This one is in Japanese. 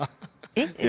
えっ？